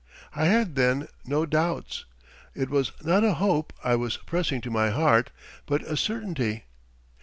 I had then no doubts. It was not a hope I was pressing to my heart, but a certainty.